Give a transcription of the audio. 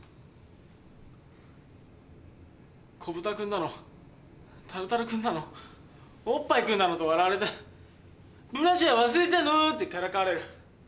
子豚君だのタルタル君だのオッパイ君だのと笑われて「ブラジャー忘れたの？」ってからかわれる。